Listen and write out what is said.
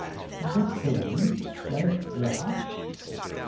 '" "The king said that?"